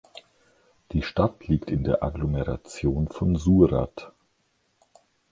Die Stadt liegt in der Agglomeration von Surat.